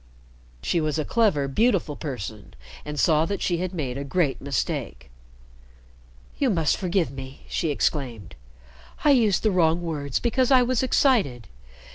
She was a clever, beautiful person, and saw that she had made a great mistake. "You must forgive me," she exclaimed. "I used the wrong words because I was excited.